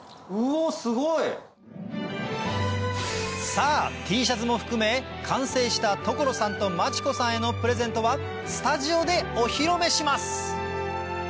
さぁＴシャツも含め完成した所さんと真知子さんへのプレゼントはスタジオでお披露目します